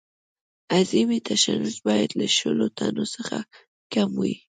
اعظمي تشنج باید له شلو ټنو څخه کم وي